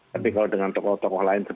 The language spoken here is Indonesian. tapi kalau dengan tokoh tokoh lain